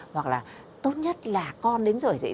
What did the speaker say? hoặc là tốt nhất là con đến rửa dậy